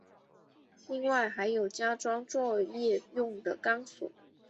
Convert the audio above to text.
另外还有加装作业用的钢索。